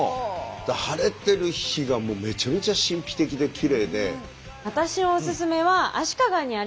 晴れてる日がもうめちゃめちゃ神秘的できれいで。